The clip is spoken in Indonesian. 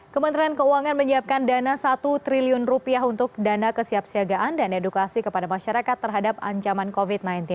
kementerian keuangan menyiapkan dana satu triliun untuk dana kesiapsiagaan dan edukasi kepada masyarakat terhadap ancaman covid sembilan belas